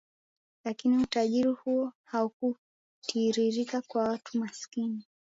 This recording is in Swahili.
Lakini utajiri huo haukutiririka kwa watu masikini